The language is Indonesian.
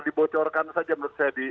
dibocorkan saja menurut saya